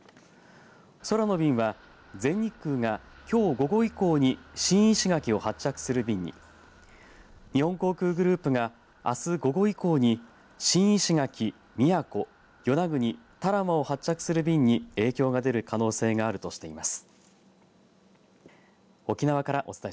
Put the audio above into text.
空の便は全日空がきょう午後以降に新石垣を発着する便に日本航空グループがあす午後以降に新石垣、宮古与那国、多良間を発着する便に影響が出る可能性があるとしています。